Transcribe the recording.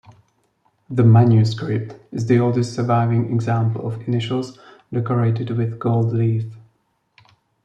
The manuscript is the oldest surviving example of initials decorated with gold leaf.